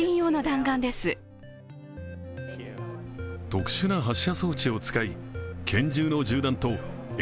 特殊な発射装置を使い拳銃の銃弾とＡＲ−１５